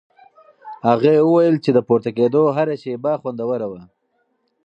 هغې وویل د پورته کېدو هره شېبه خوندوره وه.